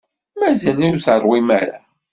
Mazal ur teṛwim ara?